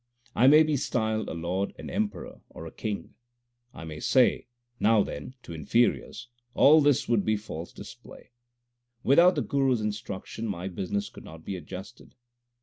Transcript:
I may be styled a lord, an emperor, or a king, I may say Now then 2 to inferiors ; all this would be false display. Without the Guru s instruction my business could not be adjusted.